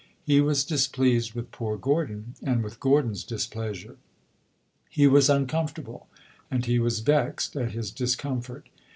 He was displeased with poor Gordon, and with Gordon's displeasure. He was uncomfortable, and he was vexed at his discomfort.